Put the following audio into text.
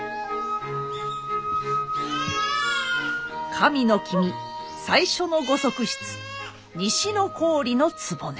神の君最初のご側室西郡の局。